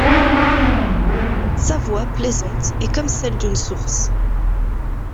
Sa voix plaisante est comme celle d'une source.